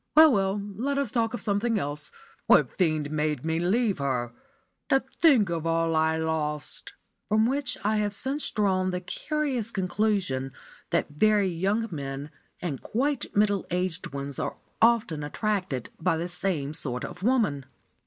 Well, well, let us talk of something else. What fiend made me leave her? To think of all I lost!" From which I have since drawn the curious conclusion that very young men and quite middle aged ones are often attracted by the same sort of women.